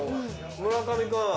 村上君。